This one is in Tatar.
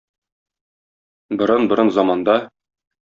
Борын-борын заманда...